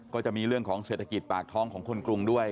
ก็จะมีเรื่องของเศรษฐกิจปากท้องของคนกรุงด้วย